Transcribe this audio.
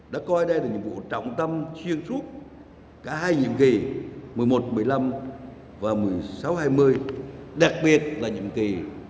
nói đây là nhiệm vụ trọng tâm chuyên suốt cả hai nhiệm kỳ một mươi một một mươi năm và một mươi sáu hai mươi đặc biệt là nhiệm kỳ hai nghìn một mươi sáu hai mươi